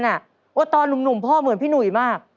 เพราะตอนหนุ่มพ่อเหมือนพี่หนุ่ยมาก